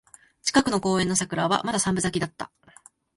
近くの公園の桜はまだ三分咲きだった